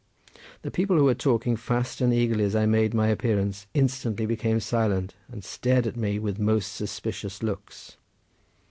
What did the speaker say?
The people, who were talking fast and eagerly as I made my appearance, instantly became silent, and stared at me with most suspicious looks.